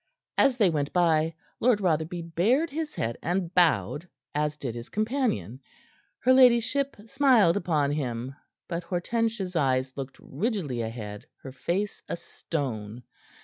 As they went by, Lord Rotherby bared his head and bowed, as did his companion. Her ladyship smiled upon him, but Hortensia's eyes looked rigidly ahead, her face a stone.